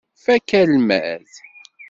Fakk almad.